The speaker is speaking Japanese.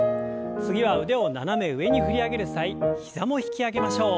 次は腕を斜め上に振り上げる際膝も引き上げましょう。